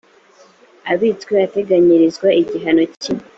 abitswe ateganyirizwa igihombo kiriho